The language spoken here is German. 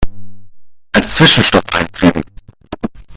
Als Zwischenstopp einfügen.